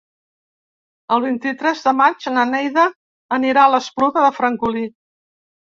El vint-i-tres de maig na Neida anirà a l'Espluga de Francolí.